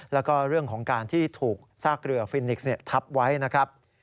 แล้วก็เรื่องของการที่ถูกซากเรือฟินิกส์ทับไว้นะครับ